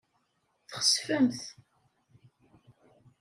Txesfemt.